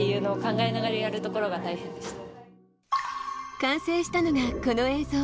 完成したのがこの映像。